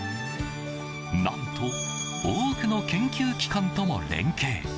何と、多くの研究機関とも連携。